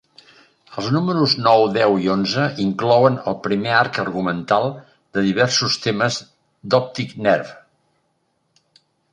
Els números nou, deu i onze inclouen el primer arc argumental de diversos temes d'Optic Nerve.